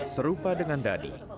serupa dengan dadi